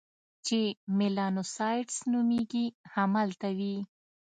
چې میلانوسایټس نومیږي، همدلته وي.